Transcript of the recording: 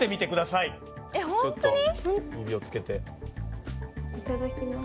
いただきます。